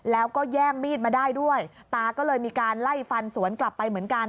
แล้วก็แย่งมีดมาได้ด้วยตาก็เลยมีการไล่ฟันสวนกลับไปเหมือนกัน